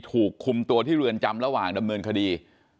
ถูกคุมตัวที่เรือนจำระหว่างดำเนินคดี